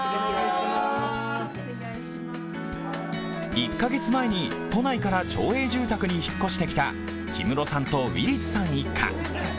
１カ月前に都内から町営住宅に引っ越してきた木室さんとウィリスさん一家。